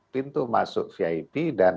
pintu masuk vip dan